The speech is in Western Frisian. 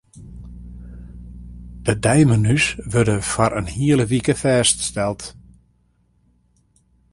De deimenu's wurde foar in hiele wike fêststeld.